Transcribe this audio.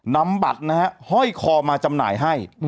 นำบัตรนะฮะห้อยคอมาจำหน่ายให้